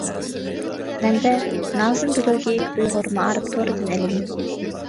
مەنبە: نازىم بىلوگى ئۇيغۇر مائارىپ تورىدىن ئېلىندى.